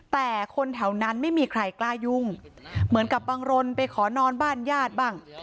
แต่คนแถวนั้นไม่มีใครกล้ายุ่งเหมือนกับบังรนไปขอนอนบ้านญาติบ้าง